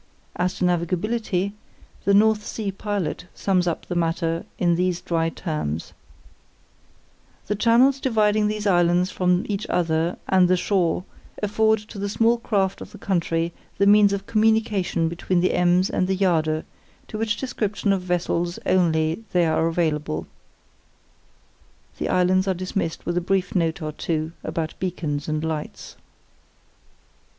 As to navigability, the North Sea Pilot sums up the matter in these dry terms: "The channels dividing these islands from each other and the shore afford to the small craft of the country the means of communication between the Ems and the Jade, to which description of vessels only they are available." The islands are dismissed with a brief note or two about beacons and lights.